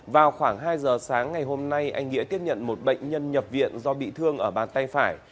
vào khoảng hai giờ sáng ngày hôm nay anh nghĩa tiếp nhận một bệnh nhân nhập viện do bị thương ở bàn tay phải